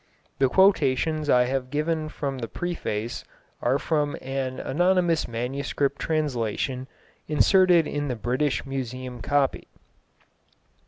The quotations I have given from the preface are from an anonymous manuscript translation inserted in the British Museum copy.